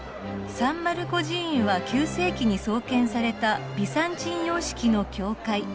「サン・マルコ寺院は９世紀に創建されたビサンチン様式の教会。